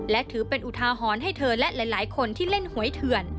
และถือเป็นอุทาหรณ์ให้เธอและหลายคนที่เล่นหวยเถื่อน